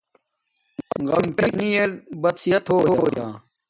غم فکر نی ار بد صحت ہویا